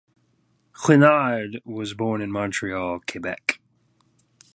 Chouinard was born in Montreal, Quebec.